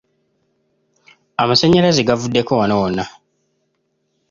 Amasannyalaze gavuddeko wano wonna.